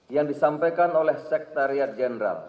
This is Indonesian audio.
yang disampaikan oleh sekretariat jenderal